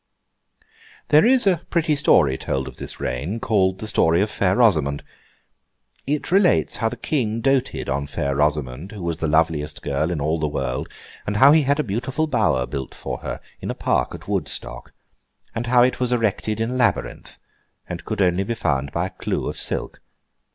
There is a pretty story told of this Reign, called the story of Fair Rosamond. It relates how the King doted on Fair Rosamond, who was the loveliest girl in all the world; and how he had a beautiful Bower built for her in a Park at Woodstock; and how it was erected in a labyrinth, and could only be found by a clue of silk.